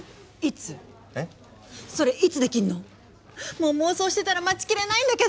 もう妄想してたら待ち切れないんだけど！